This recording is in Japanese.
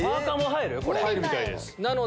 入るみたいです。